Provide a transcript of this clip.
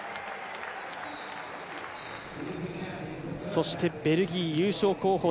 そしてベルギー、優勝候補